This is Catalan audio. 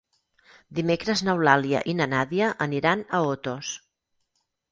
Dimecres n'Eulàlia i na Nàdia aniran a Otos.